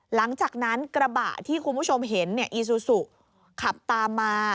หลังจากนั้นกระบะที่คุณผู้ชมเห็นอีซูซูขับตามมา